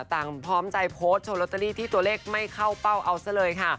พร้อมใจโพสต์โชว์ลอตเตอรี่ที่ตัวเลขไม่เข้าเป้าเอาซะเลยค่ะ